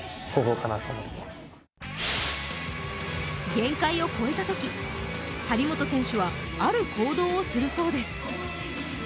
限界を超えたとき、張本選手はある行動をするそうです。